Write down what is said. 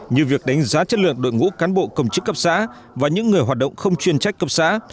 như việc đánh giá chất lượng đội ngũ cán bộ công chức cấp xã và những người hoạt động không chuyên trách cấp xã